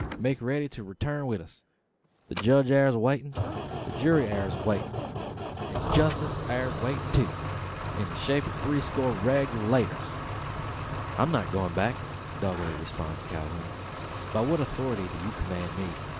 make riddy to reeturn wi' us! The judge air awaitin'; the jury air awaitin'; an justice air waitin', too in the shape o' three score Reg'lators." "I'm not going back," doggedly responds Calhoun. "By what authority do you command me?